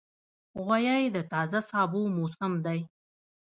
غویی د تازه سابو موسم دی.